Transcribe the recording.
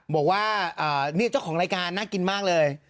บอกว่านี่เจ้าของรายการน่ากินมากเลย